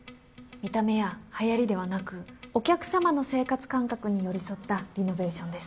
見た目やはやりではなくお客様の生活感覚に寄り添ったリノベーションです。